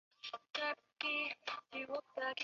以华丽画风见称。